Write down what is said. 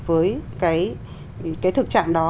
với cái thực trạng đó